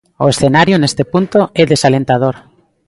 O escenario neste punto é desalentador.